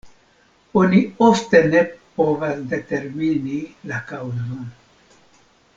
Oni ofte ne povas determini la kaŭzon.